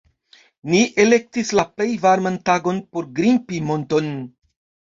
Ni elektis la plej varman tagon por grimpi monton